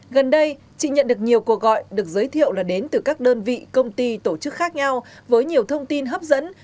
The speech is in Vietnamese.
gần đây chị nhận được nhiều cuộc gọi được giới thiệu là đến từ các đơn vị công ty tổ chức khác nhau với nhiều thông tin hấp dẫn